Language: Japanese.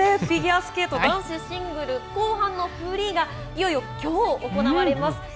フィギュアスケート男子シングル、後半のフリーが、いよいよきょう、行われます。